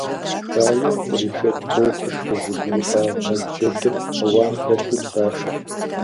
Бажэм кърихуэкӀ Ӏуэхур къызыгурыӀуа Мэз джэдыр ауэн хэлъу псалъэрт.